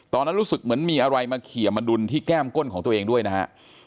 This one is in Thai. ตอนนั้นรู้สึกเหมือนมีอะไรมาเขียมาดุลที่แก้มก้นของตัวเองด้วยนะฮะ